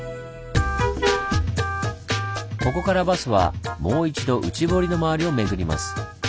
ここからバスはもう一度内堀の周りを巡ります。